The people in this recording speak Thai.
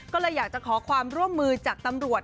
ก็เลยอยากจะขอความร่วมมือจากตำรวจ